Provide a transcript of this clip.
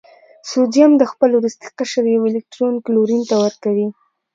سوډیم د خپل وروستي قشر یو الکترون کلورین ته ورکوي.